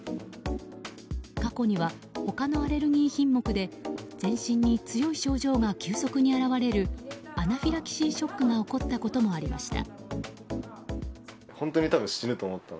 過去には他のアレルギー品目で全身に強い症状が急速に現れるアナフィラキシーショックが起こったこともありました。